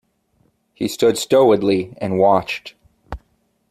He stood stolidly and watched.